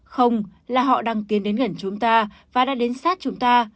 không là họ đang tiến đến gần chúng ta và đã đến sát chúng ta